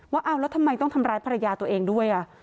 ว่าทำไมต้องทำร้ายภรรยาตัวเองด้วย